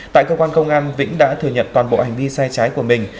tại cơ quan công an vĩnh đã thừa nhận toàn bộ hành vi sai trái của mình